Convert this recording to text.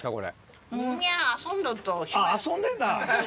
遊んでんだ。